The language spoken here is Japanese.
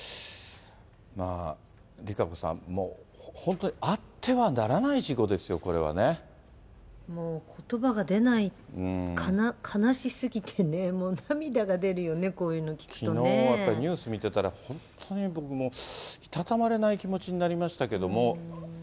ＲＩＫＡＣＯさん、もう本当に、あってはならない事故ですよ、もうことばが出ない、悲しすぎてね、もう涙が出るよね、きのうやっぱりニュース見てたら、本当に僕、もういたたまれない気持ちになりましたけれども。